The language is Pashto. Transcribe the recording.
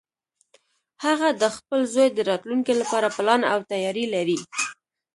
هغه د خپل زوی د راتلونکې لپاره پلان او تیاری لري